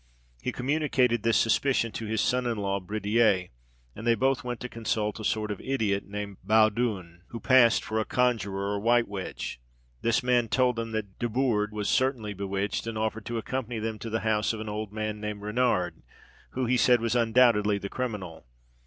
He communicated this suspicion to his son in law Bridier, and they both went to consult a sort of idiot, named Baudouin, who passed for a conjuror or white witch. This man told them that Desbourdes was certainly bewitched, and offered to accompany them to the house of an old man named Renard, who, he said, was undoubtedly the criminal.